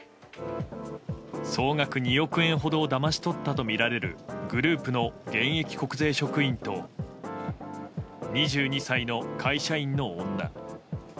総額２億円ほどだまし取ったとみられるグループの現役国税職員と２２歳の会社員の女。